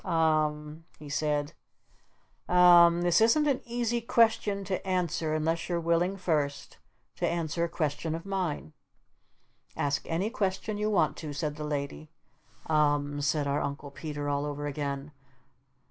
"U m m," he said. "U m mmmm. That isn't an easy question to answer unless you're willing first to answer a question of mine." "Ask any question you want to," said the Lady. "U m m," said our Uncle Peter all over again.